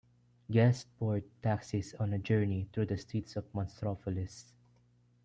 Guests board taxis on a journey through the streets of Monstropolis.